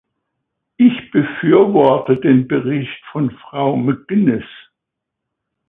Ich befürworte den Bericht von Frau McGuinness.